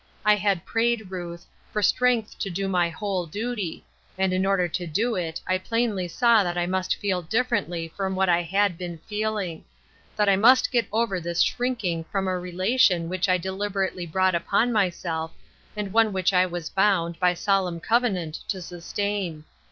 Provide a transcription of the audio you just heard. I had prayed, Ruth, for strength to do my whole duty, and in order to do it I plainly saw that I must feel differently from what I had been feeling ; that I must get over this shrinking from a relation which I de liberately brought upon myself, and one which I was bound, by solemn covenant, to sustain.